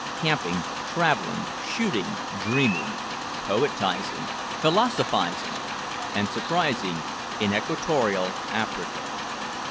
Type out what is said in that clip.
CAMPING, TRAVELLING, SHOOTING, DREAMING, POETISING, PHILOSOPHISING, AND SURPRISING, IN EQUATORIAL AFRICA.